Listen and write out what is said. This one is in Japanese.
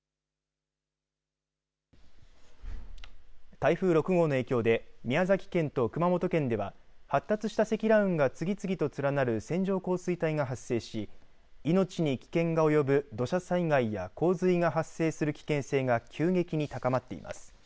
台風６号の影響で宮崎県と熊本県では発達した積乱雲が次々と連なる線状降水帯が発生し命に危険が及ぶ土砂災害や洪水が発生する危険性が急激に高まっています。